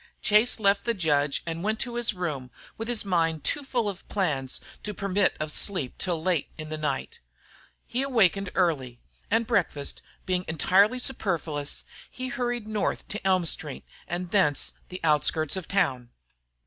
Chase left the judge and went to his room with his mind too full of plans to permit of sleep till late in the night. He awakened early, and breakfast being entirely superfluous, he hurried north to Elm Street and thence to the outskirts of town.